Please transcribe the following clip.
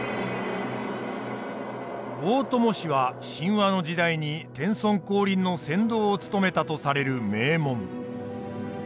大伴氏は神話の時代に天孫降臨の先導を務めたとされる名門。